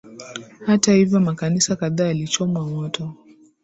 Hata hivyo makanisa kadhaa yalichomwa moto